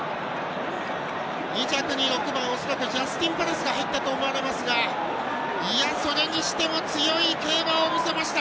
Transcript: ２着に６番、恐らくジャスティンパレスが思われますが、それにしても強い競馬を見せました。